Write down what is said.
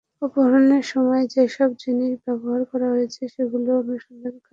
অপহরণের সময় যেসব জিনিস ব্যবহার করা হয়েছে, সেগুলোরও অনুসন্ধানে কাজ চলছে।